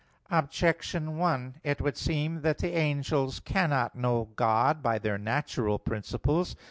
Objection 1: It would seem that the angels cannot know God by their natural principles.